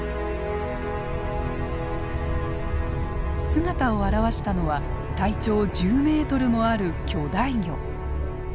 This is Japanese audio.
姿を現したのは体長１０ｍもある巨大魚。